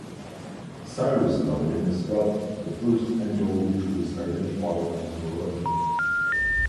Cyrus Dallin sculpted the first angel which was identified as Moroni.